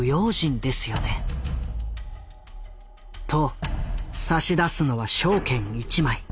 と差し出すのは証券一枚。